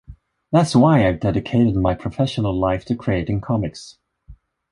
That's why I've dedicated my professional life to creating comics.